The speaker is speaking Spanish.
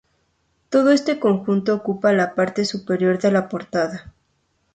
Todo este conjunto ocupa la parte superior de la portada.